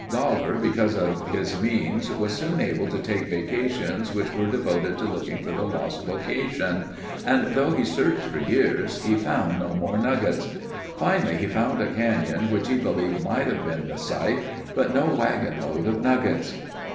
Goller, because of his means was soon able to take vacations which were devoted to looking for the lost location, and though he searched for years he found no more nuggets. Finally he found a canyon which he believed might have been the site, but no wagon load of nuggets.